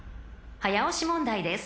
［早押し問題です］